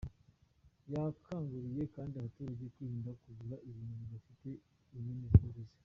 Yakanguriye kandi abaturage kwirinda kugura ibintu bidafite inyemezabuguzi.